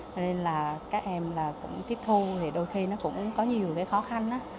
cho nên là các em là cũng tiếp thu thì đôi khi nó cũng có nhiều cái khó khăn á